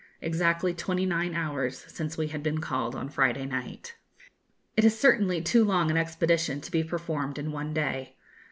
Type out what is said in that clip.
exactly twenty nine hours since we had been called on Friday night. It is certainly too long an expedition to be performed in one day.